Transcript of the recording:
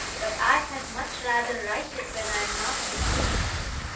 But I had much rather write it when I am not with you.